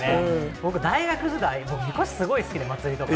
僕、大学時代、みこし、すごい好きで、祭りとか。